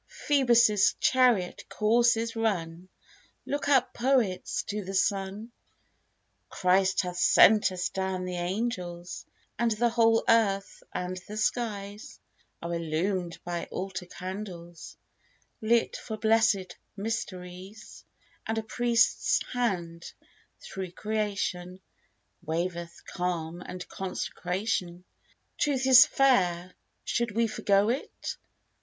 Phoebus' chariot course is run ! Look up, poets, to the sun ! Christ hath sent us down the angels; And the whole earth and the skies Are illumed by altar candles TRUTH. 35 Lit for blessed mysteries ; And a Priest's Hand, through creation, Waveth calm and consecration. Truth is fair; should we forego it?